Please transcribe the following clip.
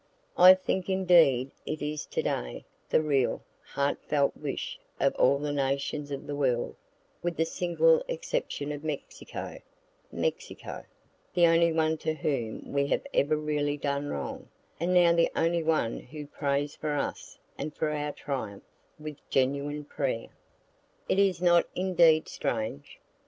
I think indeed it is to day the real, heartfelt wish of all the nations of the world, with the single exception of Mexico Mexico, the only one to whom we have ever really done wrong, and now the only one who prays for us and for our triumph, with genuine prayer. Is it not indeed strange?